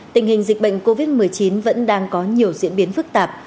tình hình dịch bệnh covid một mươi chín vẫn đang có nhiều diễn biến phức tạp